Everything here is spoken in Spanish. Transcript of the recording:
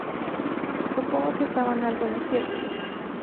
Supongo que estaban algo en lo cierto.